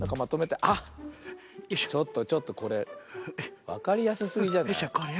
あっちょっとちょっとこれわかりやすすぎじゃない？